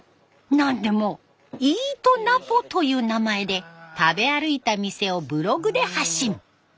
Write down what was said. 何でもイートナポという名前で食べ歩いた店をブログで発信。